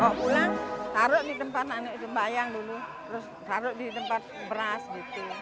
bawa pulang taruh di tempat bayang dulu terus taruh di tempat beras gitu